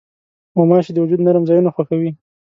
غوماشې د وجود نرم ځایونه خوښوي.